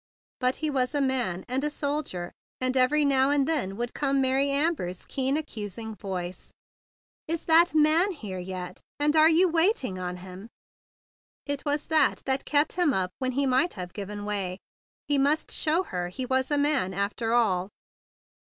But he was a man—and a soldier! And every now and then would come Mary Amber's keen accusing voice :Is that man here yet? And you waiting on him!" It was that that kept him up when he might have given way. He must show her he was a man, after all.